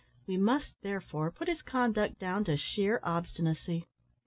We must, therefore, put his conduct down to sheer obstinacy.